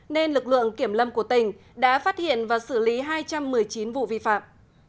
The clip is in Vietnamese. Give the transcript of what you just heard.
nên lực lượng kiểm lâm của tỉnh đã phát hiện và xử lý hai trăm một mươi chín vụ vi phạm